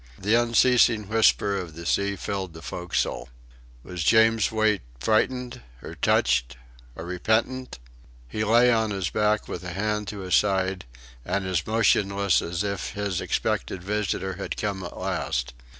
The unceasing whisper of the sea filled the forecastle. Was James Wait frightened, or touched, or repentant? He lay on his back with a hand to his side, and as motionless as if his expected visitor had come at last.